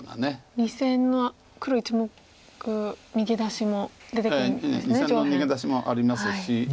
２線の黒１目逃げ出しも出てくるんですね上辺。